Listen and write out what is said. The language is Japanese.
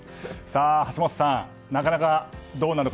橋下さん、なかなかどうなるか。